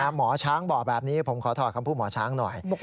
หมอช้างบอกแบบนี้ผมขอถอดคำพูดหมอช้างหน่อย